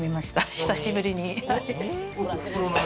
久しぶりに。